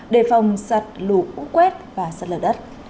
đề phòng sạt lũ quét và sạt lợi đất